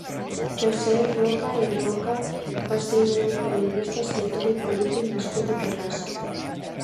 Josep Roca i Roca va ser un periodista, escriptor i polític nascut a Terrassa.